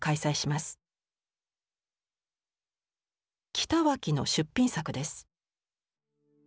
北脇の出品作です。